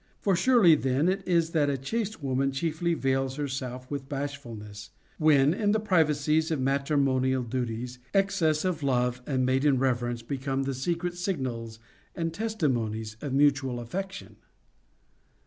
For surely then it is that a chaste woman chiefly vails herself with bashfulness, when, in the privacies of matrimonial duties, excess of love and maiden reverence become the secret signals and testimonies of mutual affection.